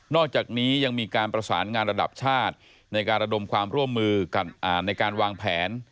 อกจากนี้ยังมีการประสานงานระดับชาติในการระดมความร่วมมือในการวางแผน